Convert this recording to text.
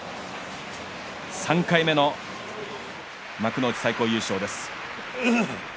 ３回目の幕内最高優勝です。